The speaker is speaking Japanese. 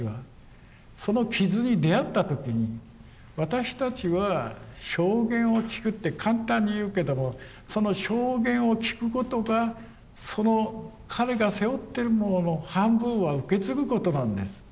その傷に出会った時に私たちは証言を聞くって簡単に言うけどもその証言を聞くことがその彼が背負ってるものの半分は受け継ぐことなんです。